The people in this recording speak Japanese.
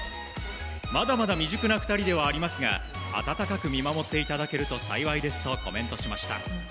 まだまだ未熟な２人ではありますが温かく見守っていただけると幸いですとコメントしました。